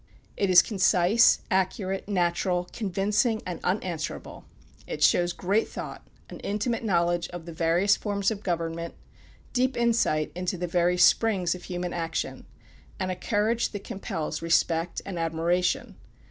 It is concise, accurate, natural, convincing, and unanswerable. It shows great thought; an intimate knowledge of the various forms of government; deep insight into the very springs of human action, and a courage that compels respect and admiration.